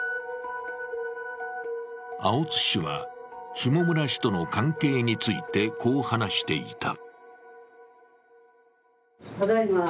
青津氏は、下村氏との関係についてこう話していた。